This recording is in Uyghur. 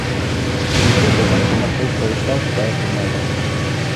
چۈنكى، بەدەن چېنىقتۇرۇپ قويۇشلا كۇپايە قىلمايدۇ.